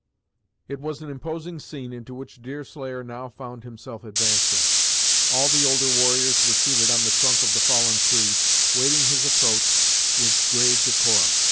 It was an imposing scene into which Deerslayer now found himself advancing. All the older warriors were seated on the trunk of the fallen tree, waiting his approach with grave decorum.